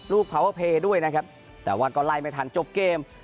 พาเวอร์เพย์ด้วยนะครับแต่ว่าก็ไล่ไม่ทันจบเกม